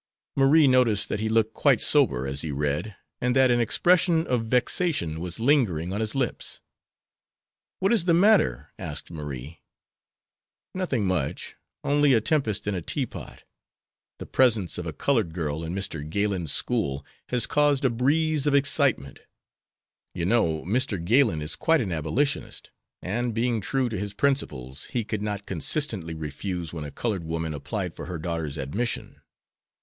Marie noticed that he looked quite sober as he read, and that an expression of vexation was lingering on his lips. "What is the matter?" asked Marie. "Nothing much; only a tempest in a teapot. The presence of a colored girl in Mr. Galen's school has caused a breeze of excitement. You know Mr. Galen is quite an Abolitionist, and, being true to his principles, he could not consistently refuse when a colored woman applied for her daughter's admission.